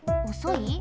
おそい？